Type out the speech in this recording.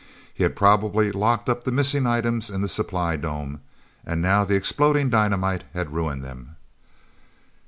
He had probably locked up the missing items in the supply dome, and now the exploding dynamite had ruined them.